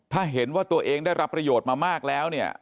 ถ้าเห็นว่าตัวเองได้รับประโยชน์มามากแล้วเนี่ย